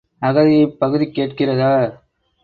அகதியைப் பகுதி கேட்கிறதா?